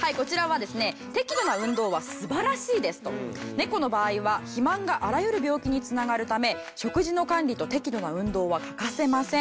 猫の場合は肥満があらゆる病気に繋がるため食事の管理と適度な運動は欠かせません。